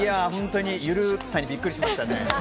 ゆるさにびっくりしました。